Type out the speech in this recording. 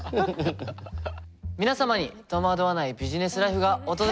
皆様に戸惑わないビジネスライフが訪れますように。